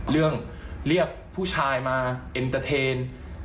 เรื่องเรียกผู้ชายมาเอนเตอร์เทน